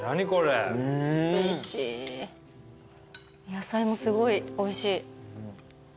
野菜もすごいおいしい。